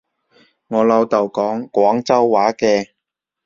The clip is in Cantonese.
我老豆講廣州話嘅